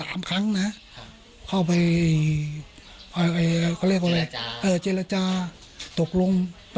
ทำไมครับ